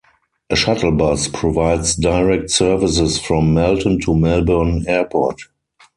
A shuttle bus provides direct services from Melton to Melbourne Airport.